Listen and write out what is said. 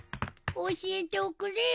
教えておくれよ。